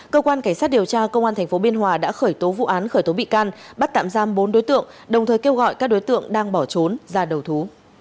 cơ quan cảnh sát điều tra công an tp biên hòa đã khởi tố vụ án khởi tố bị can bắt tạm giam bốn đối tượng đồng thời kêu gọi các đối tượng đang bỏ trốn ra đầu thú